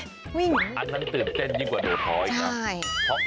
ฉันตื่นเต้นกว่าโดดพอดีกว่า